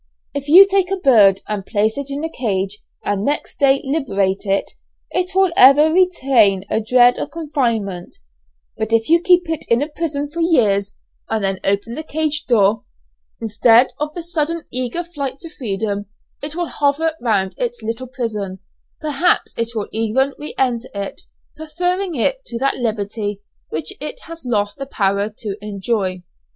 If you take a bird, and place it in a cage, and next day liberate it, it will ever retain a dread of confinement; but, if you keep it in a prison for years, and then open the cage door, instead of the sudden eager flight to freedom, it will hover round its little prison, perhaps it will even re enter it, preferring it to that liberty which it has lost the power to enjoy.